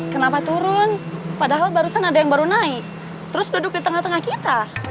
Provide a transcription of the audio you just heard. kenapa turun padahal barusan ada yang baru naik terus duduk di tengah tengah kita